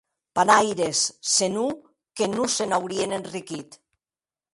Panaires; se non, que non s’aurien enriquit.